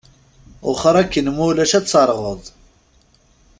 Wexxeṛ akin ma ulac ad terɣeḍ.